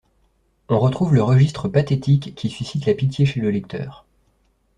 On retrouve le registre pathétique qui suscite la pitié chez le lecteur.